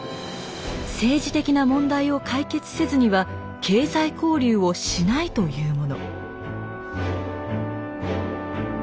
政治的な問題を解決せずには経済交流をしないというもの。